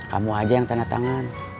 kamu aja yang tanda tangan